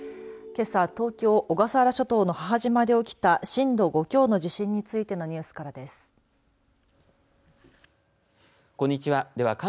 けさ、東京、小笠原諸島の母島で起きた震度５強の地震についてのニュースです。